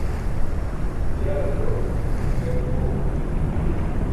Yaare jol yate phoẏ